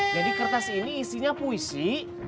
jadi kertas ini isinya puisi